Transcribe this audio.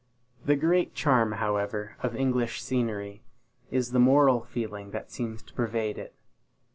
The great charm, however, of English scenery, is the moral feeling that seems to pervade it.